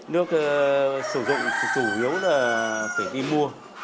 nước sử dụng chủ yếu là phải đi mua